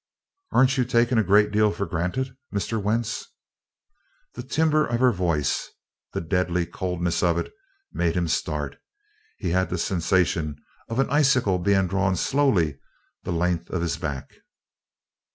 "Aren't you taking a great deal for granted, Mr. Wentz?" The timbre of her voice the deadly coldness of it made him start. He had the sensation of an icicle being drawn slowly the length of his back.